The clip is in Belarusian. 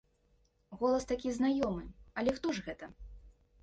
Голас такі знаёмы, але хто ж гэта?